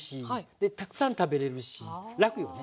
でたくさん食べれるしらくよね。